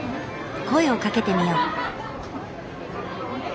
声をかけてみよう。